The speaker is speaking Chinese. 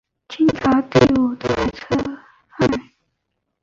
清朝第五代车臣汗。